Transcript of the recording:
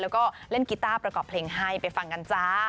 แล้วก็เล่นกีต้าประกอบเพลงให้ไปฟังกันจ้า